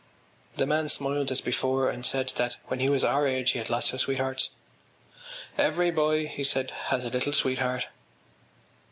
” The man smiled as before and said that when he was our age he had lots of sweethearts. “Every boy,” he said, “has a little sweetheart.